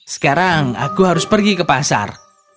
sekarang aku harus pergi ke pasar